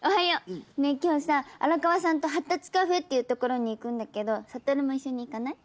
ねえ今日さ荒川さんと発達カフェっていう所に行くんだけど悟も一緒に行かない？